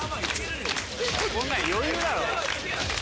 こんなの余裕だろ。